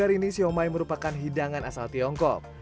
hari ini siomay merupakan hidangan asal tiongkok